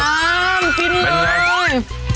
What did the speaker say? มันกินเลย